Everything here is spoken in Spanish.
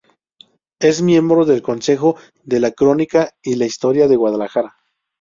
Es miembro del Consejo de la Crónica y la Historia de Guadalajara.